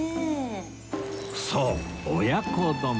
そう親子丼